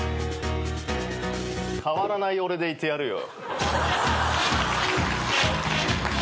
変わらない俺でいてやるよ。